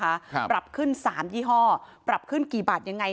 ครับปรับขึ้นสามยี่ห้อปรับขึ้นกี่บาทยังไง